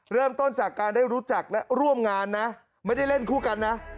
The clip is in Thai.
เริ่มต้นจากการได้รู้จักและร่วมงานนะไม่ได้เล่นคู่กันนะ